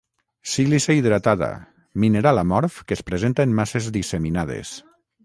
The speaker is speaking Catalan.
Sílice hidratada, mineral amorf que es presenta en masses disseminades.